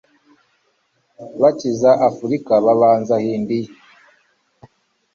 Bacyiza Afrika babanza Hindiya